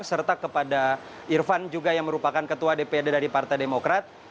serta kepada irfan juga yang merupakan ketua dpd dari partai demokrat